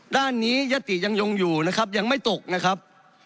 ด้านนี้ยัตติยังยงอยู่นะครับยังไม่ตกนะครับ